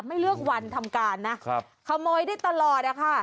ไม่เลือกวันทำการนะครับขโมยได้ตลอดอะค่ะ